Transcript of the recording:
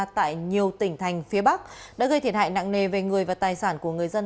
tại nhiều tỉnh thành phía bắc đã gây thiệt hại nặng nề về người và tài sản của người dân